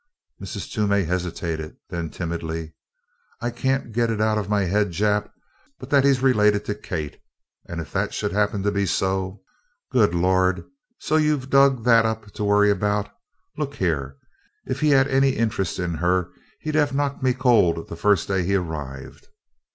Mrs. Toomey hesitated, then timidly: "I can't get it out of my head, Jap, but that he's related to Kate, and if that should happen to be so " "Good Lord! So you've dug that up to worry about? Look here if he'd had any interest in her he'd have knocked me cold the first day he arrived."